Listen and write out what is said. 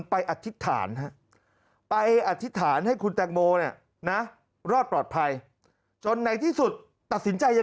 อธิษฐานไปอธิษฐานให้คุณแตงโมเนี่ยนะรอดปลอดภัยจนในที่สุดตัดสินใจยัง